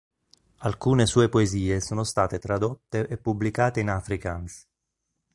Alcune sue poesie sono state tradotte e pubblicate in afrikaans.